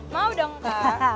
mau dong kak